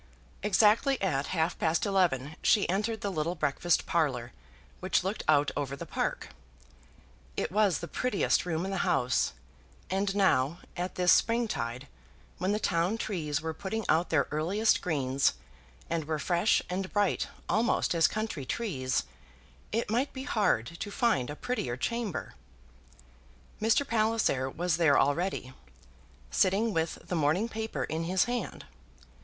Exactly at half past eleven she entered the little breakfast parlour which looked out over the park. It was the prettiest room in the house, and now, at this springtide, when the town trees were putting out their earliest greens, and were fresh and bright almost as country trees, it might be hard to find a prettier chamber. Mr. Palliser was there already, sitting with the morning paper in his hand.